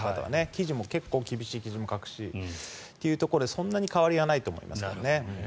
記事も結構厳しい記事も書くというところでそんなに変わりはないと思います。